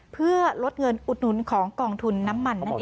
เพื่อลดเงินอุดหนุนของกองทุนน้ำมันนั่นเอง